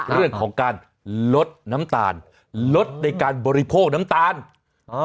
เรื่องของการลดน้ำตาลลดในการบริโภคน้ำตาลอ่า